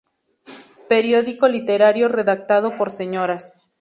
Periódico Literario redactado por señoras.